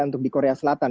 untuk di korea selatan